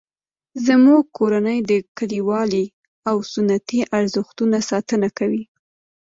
زموږ کورنۍ د کلیوالي او سنتي ارزښتونو ساتنه کوي